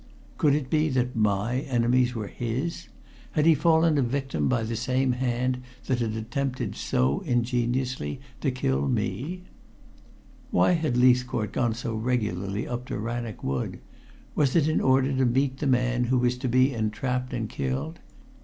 Could it be that my enemies were his? Had he fallen a victim by the same hand that had attempted so ingeniously to kill me? Why had Leithcourt gone so regularly up to Rannoch Wood? Was it in order to meet the man who was to be entrapped and killed?